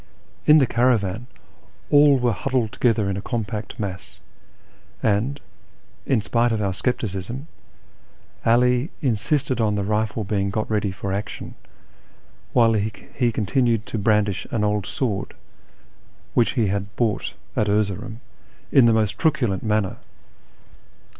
In the caravan all were huddled together in a compact mass ; and, in spite of our scepticism, 'All insisted on the rifle being got ready for action, while he continued to brandish an old sword (which he had bought at 4 50 A YEAR AMONGST THE PERSIANS Erzcroum) in the most truculent manner.